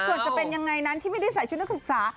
ส่วนจะเป็นยังไงนั้นที่ไม่ได้ใส่ชุดนักศึกษา